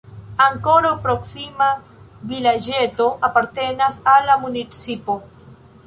Ankoraŭ proksima vilaĝeto apartenas al la municipo.